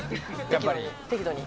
適度に。